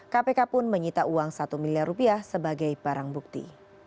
kpk pun menyita uang satu miliar rupiah sebagai barang bukti